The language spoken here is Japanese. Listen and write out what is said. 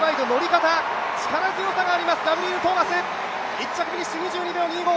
１着フィニッシュ、２２秒２５！